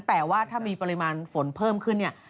แต่ว่าถ้ามีปริมาณฝนเพิ่มขึ้นเนี่ย